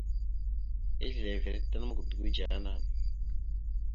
Izleveré tan ma godogo idzeré naɗ.